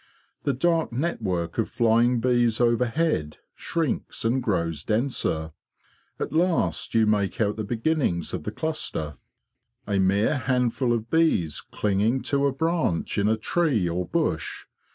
The dark network of flying bees overhead shrinks and grows denser. At last you make out the beginnings of the cluster— a mere handful of bees clinging to a branch in a tree or bush.